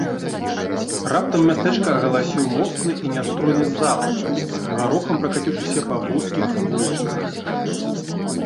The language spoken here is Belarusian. Раптам мястэчка агаласіў моцны і нястройны залп, гарохам пракаціўшыся па вузкіх вулічках.